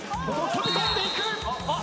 飛び込んでいく！